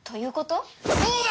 そうだ！